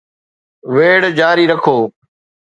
ويڙهه جاري رکو